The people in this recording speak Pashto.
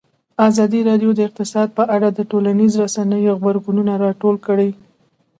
ازادي راډیو د اقتصاد په اړه د ټولنیزو رسنیو غبرګونونه راټول کړي.